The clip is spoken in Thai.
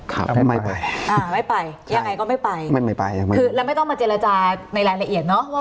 ครับไม่ไปอ่าไม่ไปยังไงก็ไม่ไปไม่ไม่ไปคือแล้วไม่ต้องมาเจรจาในรายละเอียดเนอะว่า